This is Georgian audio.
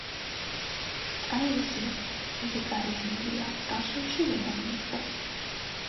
სტაილზი ვეგეტარიანელია, წარსულში ვეგანი იყო.